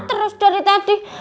terus dari tadi